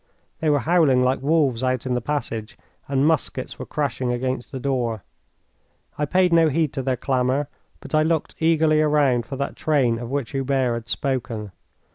They were howling like wolves out in the passage, and muskets were crashing against the door. I paid no heed to their clamour, but I looked eagerly around for that train of which Hubert had spoken.